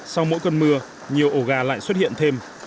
sau mỗi cơn mưa nhiều ổ gà lại xuất hiện thêm